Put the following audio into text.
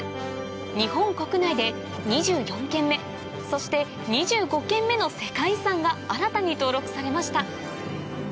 日本国内で２４件目そして２５件目の世界遺産が新たに登録されました